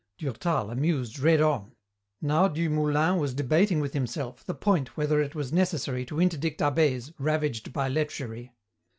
Durtal, amused, read on. Now du Moulin was debating with himself the point whether it was necessary to interdict abbés ravaged by lechery.